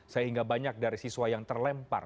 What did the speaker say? sehingga banyak dari siswa yang terlempar